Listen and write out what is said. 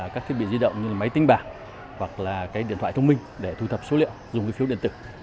các thiết bị di động như máy tính bảng hoặc là cái điện thoại thông minh để thu thập số liệu dùng cái phiếu điện tử